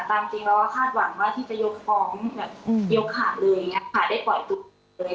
ตามจริงแล้วว่าคาดหวังว่าที่จะยกฟองยกขาดเลยอย่างนี้ค่ะได้ปล่อยตัวเลย